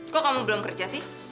kok kamu belum kerja sih